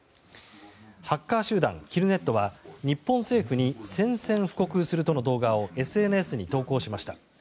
ハッカー集団キルネットは日本政府に宣戦布告するとの動画をＳＮＳに投稿しました。